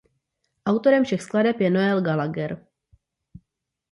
Autorem všech skladeb je Noel Gallagher.